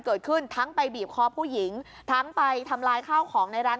เกิดขึ้นทั้งไปบีบคอผู้หญิงทั้งไปทำลายข้าวของในร้าน